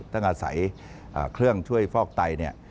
ต้องอาศัยเครื่องช่วยฟอกไตเนี่ย